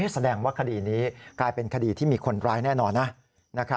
แสดงว่าคดีนี้กลายเป็นคดีที่มีคนร้ายแน่นอนนะ